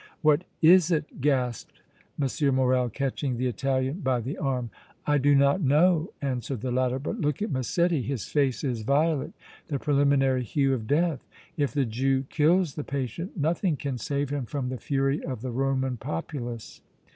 "What is it?" gasped M. Morrel, catching the Italian by the arm. "I do not know," answered the latter. "But look at Massetti his face is violet, the preliminary hue of death! If the Jew kills the patient nothing can save him from the fury of the Roman populace!"